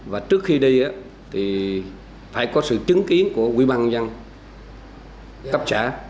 và trước khi đi thì phải có sự chứng kiến của quỹ ban dân cấp xã